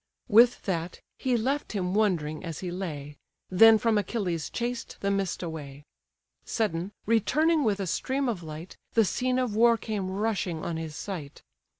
With that, he left him wondering as he lay, Then from Achilles chased the mist away: Sudden, returning with a stream of light, The scene of war came rushing on his sight.